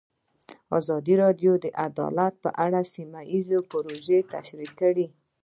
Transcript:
ازادي راډیو د عدالت په اړه سیمه ییزې پروژې تشریح کړې.